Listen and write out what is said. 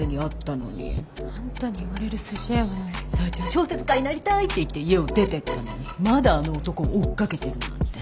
小説家になりたいって言って家を出てったのにまだあの男を追っ掛けてるなんて。